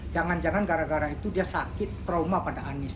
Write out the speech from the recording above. jangan jangan gara gara itu dia sakit trauma pada anies